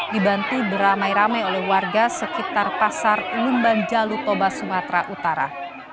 dibantu beramai ramai oleh warga sekitar pasar lumban jalu toba sumatera utara